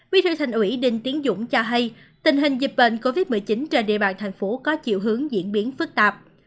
bí thư thành ủy đinh tiến dũng cho hay tình hình dịch bệnh covid một mươi chín trên địa bàn thành phố có chiều hướng diễn biến phức tạp